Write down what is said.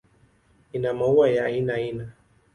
Ina maua ya aina aina.